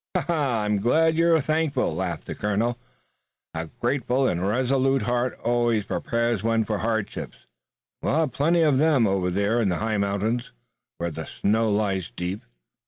"I'm glad you're thankful," laughed the colonel. "A grateful and resolute heart always prepares one for hardships, and we'll have plenty of them over there in the high mountains, where the snow lies deep.